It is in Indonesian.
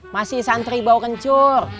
masih santri bau kencur